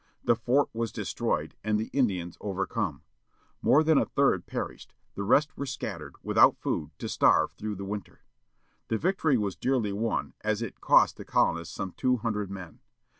The fort was destroyed, and the Indians overcome. More than a third perished, the rest were scattered, without food, to starve through the winter. The victory was dearly won as it cost the colonists some two hundred men.